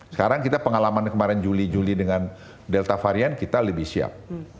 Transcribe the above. sekarang kita pengalaman kemarin juli juli dengan delta varian kita lebih siap